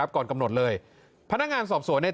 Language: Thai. ก่อนกำหนดเลยพนักงานสอบสวนเนี่ย